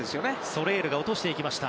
ソレールが落としていきました。